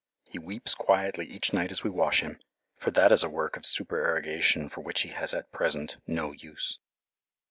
He weeps quietly each night as we wash him, for that is a work of supererogation for which he has at present no use.